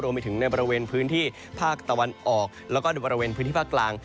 รวมไปถึงในบริเวณพื้นที่ภาคตะวันออกแล้วก็ในบริเวณพื้นที่ภาคกลาง